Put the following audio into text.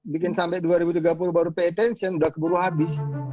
bikin sampai dua ribu tiga puluh baru pay attention udah keburu habis